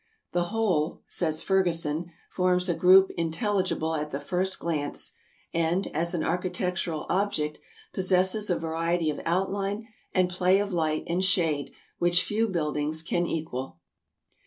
'' The whole, '' says Fergusson, "forms a group intelligible at the first glance, and, as an architectural object, possesses a variety of outline and play of light and shade which few buildings can equal.